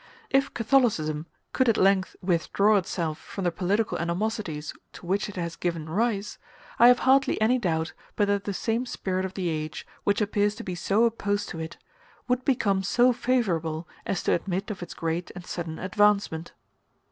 If Catholicism could at length withdraw itself from the political animosities to which it has given rise, I have hardly any doubt but that the same spirit of the age, which appears to be so opposed to it, would become so favorable as to admit of its great and sudden advancement.